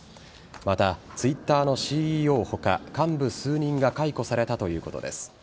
またＴｗｉｔｔｅｒのＣＥＯの他幹部数人が解雇されたということです。